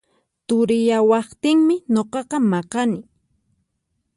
Turiyawaqtinmi nuqaqa maqani